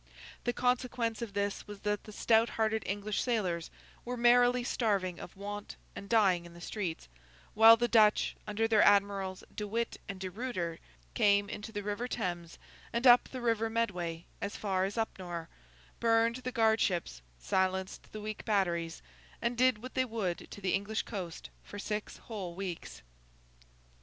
The consequence of this was that the stout hearted English sailors were merrily starving of want, and dying in the streets; while the Dutch, under their admirals De Witt and De Ruyter, came into the River Thames, and up the River Medway as far as Upnor, burned the guard ships, silenced the weak batteries, and did what they would to the English coast for six whole weeks.